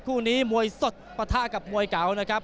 คู่นี้มวยสดปะทะกับมวยเก่านะครับ